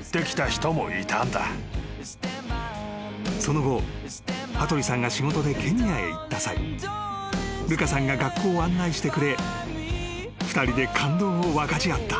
［その後羽鳥さんが仕事でケニアへ行った際ルカさんが学校を案内してくれ２人で感動を分かち合った］